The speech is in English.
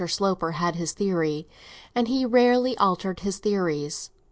Sloper had his theory, and he rarely altered his theories.